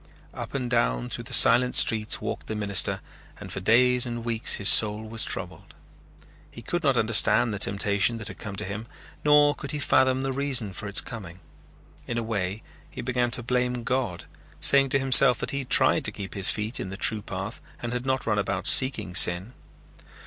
Up and down through the silent streets walked the minister and for days and weeks his soul was troubled. He could not understand the temptation that had come to him nor could he fathom the reason for its coming. In a way he began to blame God, saying to himself that he had tried to keep his feet in the true path and had not run about seeking sin.